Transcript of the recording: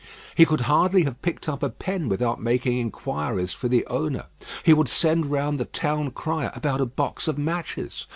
He could hardly have picked up a pin without making inquiries for the owner. He would send round the town crier about a box of matches.